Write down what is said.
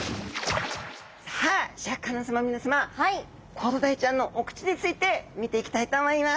コロダイちゃんのお口について見ていきたいと思います。